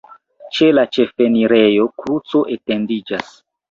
Ĉe la ĉefenirejo kruco etendiĝas.